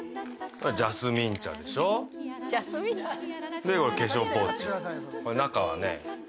ジャスミン茶でしょでこれ化粧ポーチ中はね